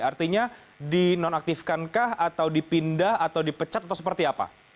artinya dinonaktifkankah atau dipindah atau dipecat atau seperti apa